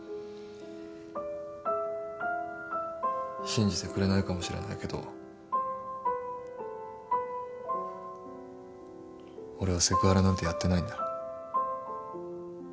信じてくれないかもしれないけど俺はセクハラなんてやってないんだ。